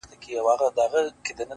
• او یوازي په دې لوی کور کي تنهاده ,